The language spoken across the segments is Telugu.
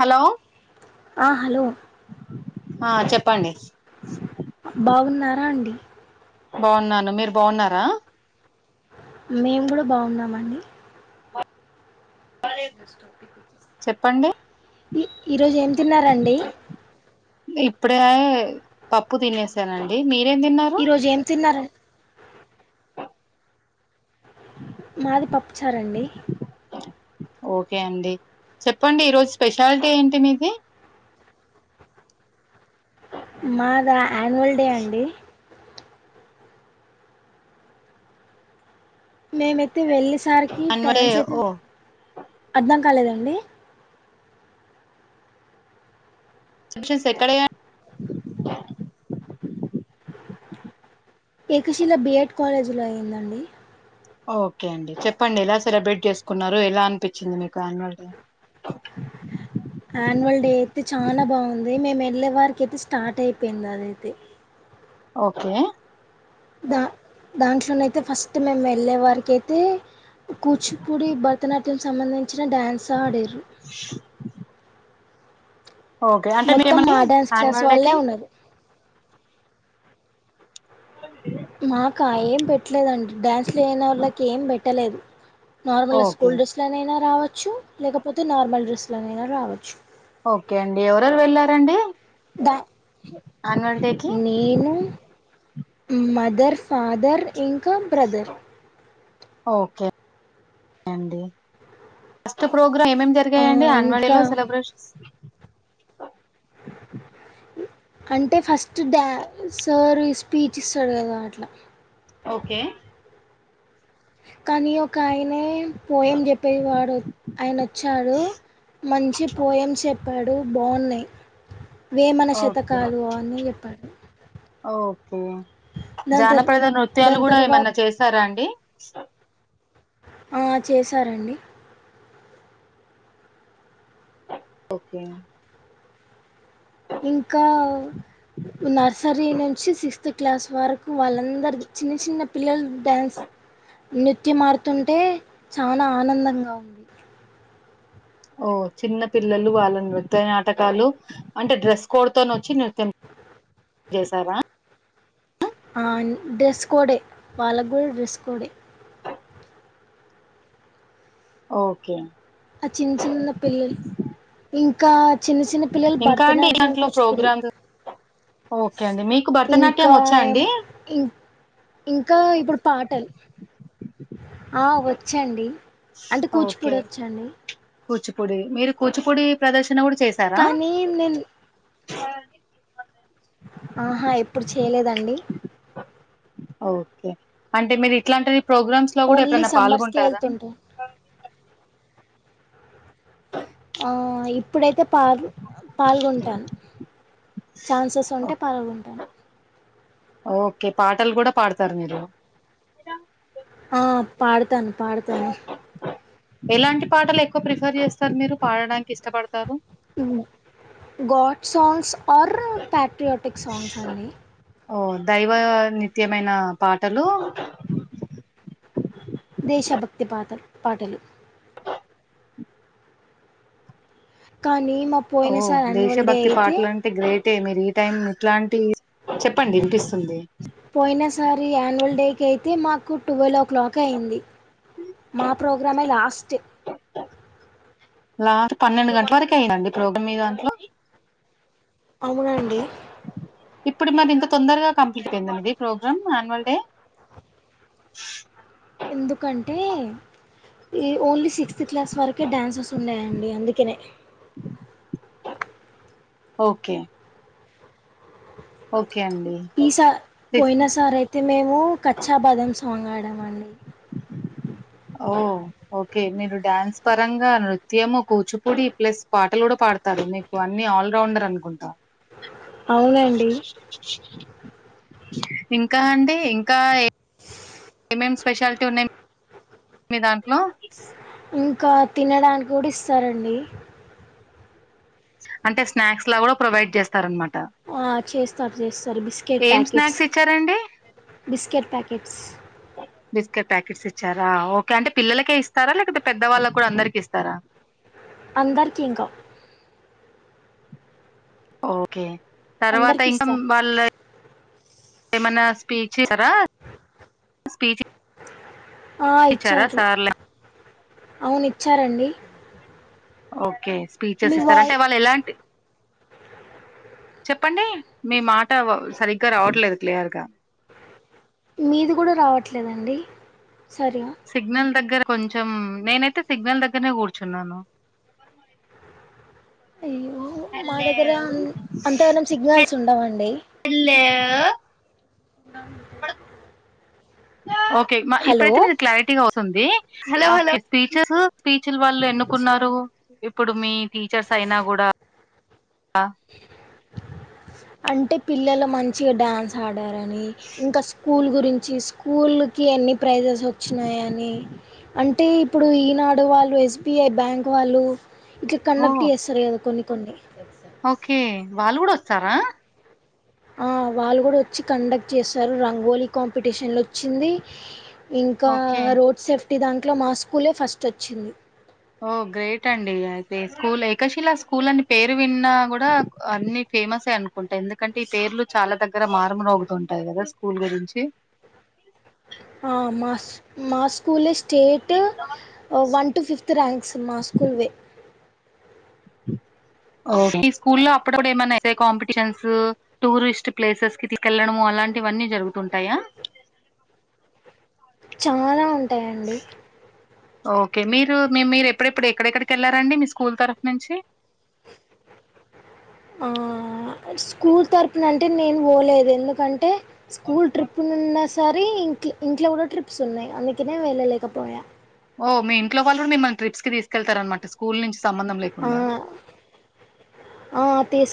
హలో ఆ హలో ఆ చెప్పండి బాగున్నారా అండి బాగున్నాను మీరు బాగున్నారా మేము కూడా బాగున్నామండి చెప్పండి ఈ ఈరోజు ఏం తిన్నారండి ఇప్పుడే పప్పు తినేసానండి మీ ఈరోజు ఏం తిన్న మాది పప్పుచారండి ఓకే అండి చెప్పండి ఈరోజు స్పెషాలిటీ ఏంటి మీది మాద యాన్యువల్ డే అండి మేమైతే వెళ్ళేసరికి అన్యువల్ డే ట్యాన్స్ అయితే ఓ అర్థం కాలేదండి రసెప్షన్స్ ఎక్కడ ఏకశిల బిఎడ్ కాలేజీలో అయ్యిందండి ఓకే అండి చెప్పండి ఎలా సెలబ్రేట్ చేసుకున్నారు ఎలా అనిపించింది మీకు యన్యువల్ డే ఆన్యువల్ డే అయితే చాలా బాగుంది మేమ తెల్లవారికి అయితే స్టార్ట్ అయిపోయింది అదైతే ఓకే దా దాంట్లోన అయితే ఫస్ట్ మేము వెళ్ళే వారకి అయితే కూచిపూడి భరతనాట్యం సంబంధించిన డ్యాన్స్ ఆడారు ఓకే అంటే మొత్తం మీరేమని మా డ్యాన్స్ క్లాస్ యాన్యువల్ డే వాళ్ళే కి ఉన్నరు మాకు ఏం పెట్టలేదండి డ్యాన్స్ల లెనోలకి ఏం పెట్టలేదు నార్మల్గా ఓకే స్కూల్ డ్రెస్లనైనా రావచ్చు లేకపోతే నార్మల్ డ్రెస్లునైనా రావచ్చు ఓకే అండి ఎవరెరు వెళ్లారండి దా కి నేను మదర్ ఫాదర్ ఇంకా బ్రదర్ ఒకే అండి ఏమేం ఆ జరిగయండి యానూవల్ ఇంకా డేలో సెలబ్రేషన్స్ అంటే ఫస్ట్ సార్ స్పీచ్ ఇస్తాడు కదా అట్లా ఓకే కానీ ఒక పో చెప్పేవాడు ఆయన వచ్చాడు మంచి పోయమ్ [unintelligible] చెప్పాడు బాగున్నాయి వేమన ఓకే శతకాలు అని చెప్పాడు ఓకే దాని తర్ జానపద నృత్యాలు దాని కూడా తర్వాత ఏమన్నా చేసారా అండి స ఆ చేశారండి ఒకే ఇంకా నర్సరీ నుంచి సిక్స్త్ క్లాస్ వరకు వాళ్ళందరు చిన్న చిన్న పిల్లలు డ్యాన్స్ నృత్యం ఆడుతుంటే చాలా ఆనందంగా ఉంది ఓ చిన్న పిల్లలు వాళ్ళ నృత్య నాటకాలు అంటే డ్రెస్ కోడ్ తన వచ్చి చేసార ఆ డ్రెస్ కోడే వల్ల కూడ డ్రెస్ కోడే ఒకే ఆ చిన్న చిన్న పిల్లలు ఇంకా చిన్న చిన్న పిల్లలు ఇంకా అండి భరతనాట్యలు దాంట్లో కూచిపుడి ప్రోగ్రామ్స్ ఓకే అండి మీకు భరతనాట్యం ఇంకా వచ్చా ఏం అండి ఇం ఇంకా ఇప్పుడు పాటలు ఆ వచ్చండి అంటే ఓకే కూచిపూడి వచ్చండి కూచిపూడి మీరు కూచిపూడి ప్రద కానీ నేను ఆహా ఎప్పుడు చేయలేదండి ఓకే అంటే మీరు ఇట్లాంటిది ప్రోగ్రామ్స్ లో కూడా ఓన్లీ ఎప్పుడన్న సమ్మర్స్కే పాల్గొంటార వెళ్తుంటాను ఆ ఇప్పుడైతే పాల్ పాల్గొంటాను ఛాన్సెస్ ఉంటే ఓ- పాల్గొంటాను ఓకే పాటలు కూడా పాడతారు మీరు ఆ పాడతాను పాడతాను ఎలాంటి పాటలు ఎక్కువ ప్రిఫర్ చేస్తారు మీరు పాడడానికి ఇష్టపడతారు god songs or patriotic songs అండి ఓ దైవ నిత్యమైన పాటలూ దేశభక్తి పాతలు పాటలు కానీ మా పోయిన సార్ అన్వల్ డే అయితే తే మీరు ఈ టైం ఇట్లాంటి చెప్పండి వినిపిస్తుంది పోయిన సారి యాన్యువల్ డేకి అయితే మాకు ట్వుల్వ్ఓ క్లాక్ అయింది మా ప్రోగ్రామే లాస్ట్ లా పన్నెండు గంటల వరకు అయిందండి ప్రోగ్రాం మీ దాంట్లో అవునండి ఇప్పుడు మరి ఇంత తొందరగా కంప్లీట్ అయిందండి ప్రోగ్రామ్ ఆన్యువల్ డే ఎందుకంటే ఈ ఓన్లీ సిక్స్త్ క్లాస్ వరకే డాన్సెస్ ఉన్నాయండి అందుకనే ఓకే ఓకే అండి ఈసా పోయిన సిక్స్త్ సార్ అయితే మేము కచ్చా బదం సాంగ్ [unintelligible] ఆడామండి ఓ ఓకే మీరు డ్యాన్స్ పరంగా నృత్యము కూచిపూడి ప్లస్ పాటలు కూడా పాడు తరు మీకు అన్నీ ఆల్రౌండర్ అనుకుంటా అవునండి ఇంకా అండి ఇంకా ఏ ఏమేమి స్పెషాలిటీ ఉన్నాయి మీ దాంట్లో ఇంకా తినడానికి కూడా ఇస్తారండి అంటే స్నాక్స్ లా కూడా ప్రొవైడ్ చేస్తారనమాట ఆ చేస్తారు చేస్తారు బిస్కెట్ ఏం ప్యాకెట్స్ స్నాక్స్ ఇచ్చారండి బిస్కెట్ ప్యాకెట్స్ బిస్కెట్ ప్యాకెట్స్ ఇచ్చారా ఓకే అంటే పిల్లలకే ఇస్తారా లేకపోతే పెద్ద వాళ్ళకి కూడా అందరికి ఇస్తారా అందర్కి ఇంకా ఓకే తర్వాత అందరికి ఇంకా ఇస్తారు వాళ్ళ ఏమనా స్పీచ్ ఇస్తారా స్పీచ్ ఆ ఇచ్చారా ఇచ్చారు సార్లు అవును ఇచ్చారండి ఓకే స్పీచెస్ మీ ఇస్తార్ వాయి అంటే వాళ్ళు ఎలాంటి చెప్పండి మీ మాట సరిగ్గా రావట్లేదు క్లియర్గా మీది కూడా రావట్లేదండి సరిగా సిగ్నల్ దగ్గర కొంచం నేనైతే సిగ్నల్ దగ్గరనే కూర్చున్నాను అయ్యో మా హలో దగ్గర అన్- అంతగానం హ హలో [unintelligible] సిగ్నల్స్ ఉండవండి లో ఇప్పుడు ఓకే హలో ఇప్పుడైతే మీది క్లారిటీగా వ స్తోంది [unintelligible] హాలో హలో టీచర్ టీచలు వాళ్ళు వచ్చింది ఎన్నుకున్నారు ఇప్పుడు మీ టీచర్స్ అయినా కూడా అంటే పిల్లలు మంచిగా డ్యాన్స్ ఆడారని ఇంకా స్కూల్ గురించి స్కూల్ కి ఎన్ని ప్రైజెస్ వచ్చినాయి అని అం అంటే ఇప్పుడు ఈనాడు వాళ్ళు ఎస్ బి ఐ బ్యాంక్ వాళ్ళు ఇట్లా ఓ కండక్ట్ చేస్తారు కదా కొన్ని కొన్ని ఓకే వాళ్ళు కూడా వస్తారా ఆ వాళ్ళు కూడా వచ్చి కండక్ట్ చేస్తారు రంగోలీ కాంపిటీషన్ లో వచ్చింది ఇంకా ఓకే రోడ్ సేఫ్టీ దాంట్లో మా స్కూలే ఫస్ట్ వచ్చింది ఓ గ్రేట్ అండి అయితే స్కూల్ ఏకశిలా స్కూల్ అని పేరు విన్నా కూడా అన్ని ఫేమస్ ఏ అనుకుంటా ఎందుకంటే ఈ పేర్లు చాలా దగ్గర మారు మ్రోగుతుంటాయి కదా స్కూల్ గురించి. ఆ మాస్ మా స్కూలేస్ state, one two fifth ranks మా స్కూల్ వే ఈ స్కూల్లో అప్పుడప్పుడు ఏమన్నా ఎస్సే కాంపిటీషన్స్, టూరిస్ట్ ప్లేసెస్ కి తీసుకెళ్ళడం అలా అలాంటివన్నీ జరుగుతుంటాయా చాలవు ఓకే మీరు మీ మీరు ఎప్పుడెప్పుడు ఎక్కడెక్కడికి వెళ్లారంండి మీ స్కూల్ తరఫు నుంచి ఆ స్కూల్ తర్పున అంట్ టే నేను పోలేదు ఎందుకంటే స్కూల్ ట్రిప్ నున్న సారి ఇం ఇంట్లో కూడా ట్రిప్స్ ఉన్నాయి అందుకనే వెళ్ళలేకపోయా. ఓ మీ ఇంట్ వాళ్ళు మిమ్మల్ ట్రిప్స్ కి తీకెళ్తారనమాట స్కూల్ నుంచి సంబంధము ఆ లేకుండా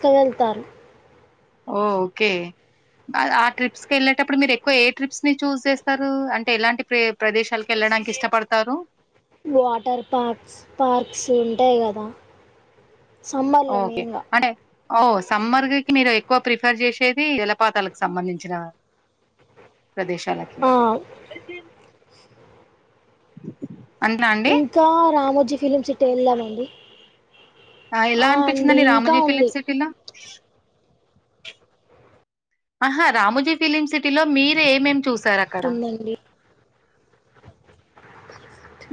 క్క వెళ్తారు ఓ ఓకే ఆ ట్రిప్స్ కి వెళ్ళేటప్పుడు మీరు ఎక్కువ ఏ ట్రిప్స్ ని చూస్ చేస్తారు అంటే ఎలాంటి ప్రే ప్రదేశాలు వాటర్ పార్క్స్, పార్క్స్ ఉ టాయి కదా సమ్మర్లో మెయిన్గా ఓ సమ్మర్కి మీరు ఎక్కువ ప్రిఫర్ చేసేది జలపాతాలకు సంబంధించినవ ప్రదేశాలకు ఆ ఇంకా రామోజీ ఫిలిమ్ సిటీ వెళ్దామండి. ఆ ఎలా అనిపించిందండి రామజీ ఉంది ఫిలిప్ సిటీలో ఆహా రామోజీ ఫిలిమ్ సిటీలో మీరే ఏమేం చూస్ శారు అక్కడ. ఉందండి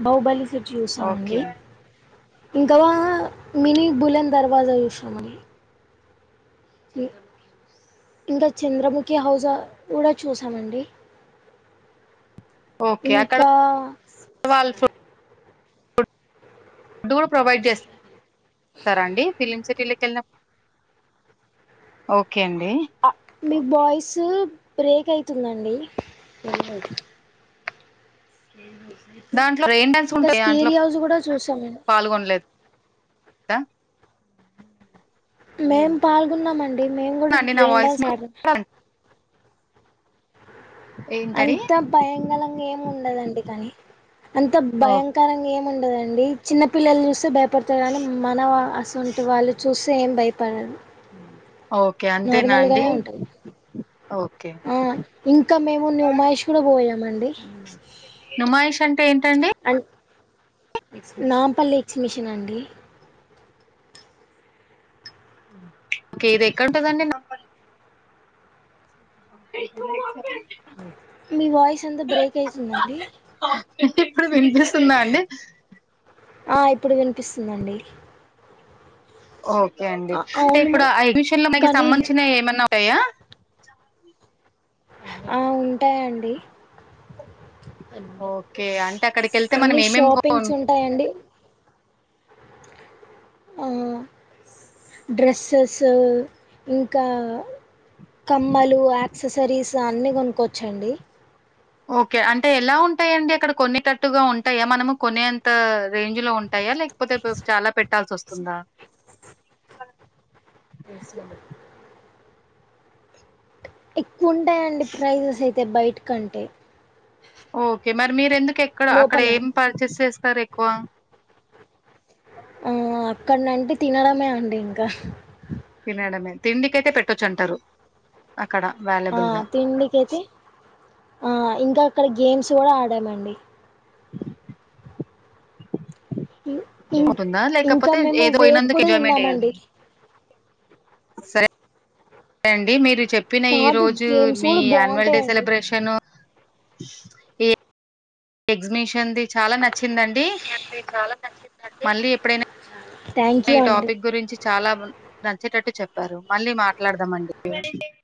బహుబలి సెట్ ఓకే. చూసామండి. ఇంకదా మినీ బులెన్ దర్వాజా చూసినం అని ఇ ఇంక చంద్రముఖి హౌజా కూడా చూసామండి ఓకే. అక్కడ ఇంకా వాళ్ళు డూల ప్రొవైడ్ చేస్త స్తార అండి ఫిలిమ్ సిటీలేకి వెళ్ళిన ఓకే అండి మీ బాయిస్ బ్రేక్ అయితుందండి. దాంట్లో రెయిన్ డాన్స్ ఇంకా ఉంటాయి దాంట్లో స్కేరి హౌస్ కూడా చూసాం మేము ద మేం పాల్గొన్నామండి మేము కూడా అండి నా రెయిన్ వాయిస్ డాన్స్ మీకు ఆడినం ఏంటండి అంత భయంకలంగా ఏమి ఉండదండి కానీ అంత ఓ భయంకరంగా ఏం ముండదండి చిన్న పిల్లలు చూస్తే భయపడుతరు కానీ మన సొంటి వాళ్ళు చూస్తే ఏం భయపడను. ఓకే అంతేనా నార్మల్ అండి గానే ఉంటది. ఓకే ఆ ఇంకా మేము ను మహేష్ కూడా పోయామండి. నుమయిష్ అంటే ఎంత అంట్ నాంపల్లి ఎక్సిమిషన్ అండి. ఓకే ఇది ఎక్కడుంటదిఅండి నాంపల్లి [unintelligible] మీ వాయిస్ అంత బ్రేక్ అవుతుందండి. మీకిప్పుడు వినిపిస్తుందా అండి. ఆ ఇప్పుడు వినిపిస్తుందండి. ఓకే అండి ఆ అంటే ఇప్పుడు అవును అడ్మిషన్ లోకి కానీ సంబంధించిన ఏమన్నా అట్టయా ఆ ఉంటాయండి ఓకే అంటే అక్కడికి వెళ్తే మనం అన్ని ఏమేమి కొన్- షాపింగ్స్ ఉంటాయండి ఆ డ్రెస్సెస్ ఇంకా కమ్మలు యాక్సెసరీస్ అన్ని కొనుక్కోచ్చండి ఓకే అంటే ఎలా ఉంటాయండి అక్కడ కొన్నిటట్టుగా ఉంటాయా మనము కొనేంత రేంజ్ లో ఉం ఉంటాయా లేకపోతే చాలా పెట్టాల్సి వస్తుందా ఎస్ల ఉంటాయండి ప్రైజెస్ అయితే బయట కంటే ఓకే మరి మీర ఎందుకు ఎక్కడ అక్కడ లోపల ఏం పర్చేస్ చేస్త ఎక్కువ ఆ అక్కడినండి తినడమే అండి ఇంకా తినడమే తిండికి అయితే పెట్టచ్చు అంటారు ఆ తిండికితి అయితే ఆ ఇంకా అక్కడ గేమ్స్ కూడా ఆడామండి ఇం ఉంటుందా ఇంకా లేకపోతే మేము ఏదో వేపు పోయినందుకు కూడా ఎంజాయ్మెంట్ తిన్నామండి సరే అండి మీరు చెప్పినా ఈ కాదు రోజు గేమ్స్ మీ కూడా అన్యువల్ డే బాగుంటాయండి సెలబ్రేషన్ ఈ ఎగ్జిబిషన్ది చాలా నచ్చిందండి మళ్ళీ ఎప్పుడైనా థ్యాంక్ యూ ఈ అండి టాపిక్ గురించి చాలా నచ్చేటట్టు చెప్పు చెప్పారు మళ్ళీ మాట్లాడదాంమండి